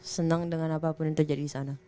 senang dengan apapun yang terjadi di sana